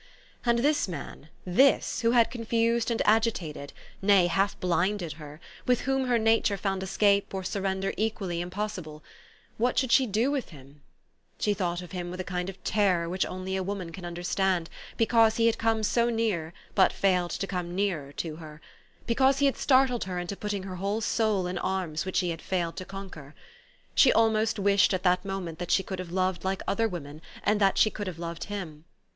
And this man, this, who had confused and agi tated, nay, half blinded her, with whom her nature found escape or surrender equally impossible, what should she do with him ? She thought of him with a kind of terror which only a woman can understand, because he had come so near, but failed to come nearer J to her ; because he had startled her into put ting her whole soul in arms which he had failed to conquer. She almost wished at that moment that THE STORY OF AVIS. 125 she could have loved like other women, and* that she could have loved him.